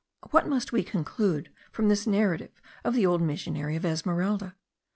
What must we conclude from this narration of the old missionary of Encaramada?